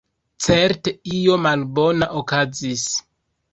Certe io malbona okazis.